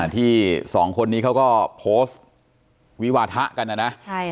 ที่สองคนนี้เขาก็โพสต์วิวาทะกันนะนะ